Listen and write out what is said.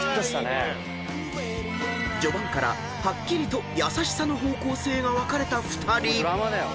［序盤からはっきりと優しさの方向性が分かれた２人］